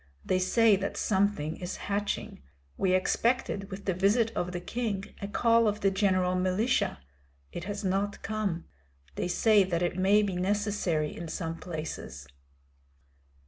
They say that something is hatching. We expected with the visit of the king a call of the general militia; it has not come! They say that it may be necessary in some places."